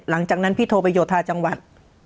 หลังจากนั้นพี่โทรไปโยธาจังหวัด